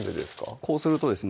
こうするとですね